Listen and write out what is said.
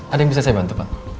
ada yang bisa saya bantu pak